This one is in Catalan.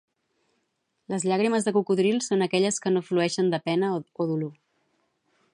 Les llàgrimes de cocodril són aquelles que no flueixen de pena o dolor